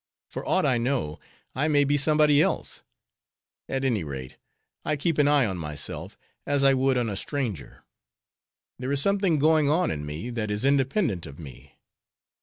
For aught I know, I may be somebody else. At any rate, I keep an eye on myself, as I would on a stranger. There is something going on in me, that is independent of me.